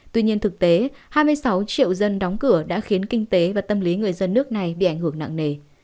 tuy nhiên thực tế hai mươi sáu triệu dân đóng cửa đã khiến kinh tế và tâm lý người dân nước này bị ảnh hưởng nặng nề